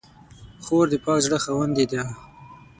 خور د پاک زړه خاوندې ده.